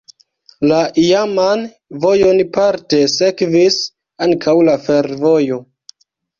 La iaman vojon parte sekvis ankaŭ la fervojo.